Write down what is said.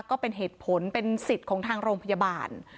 ก็เป็นสิทธิ์ของโรงพยาบาล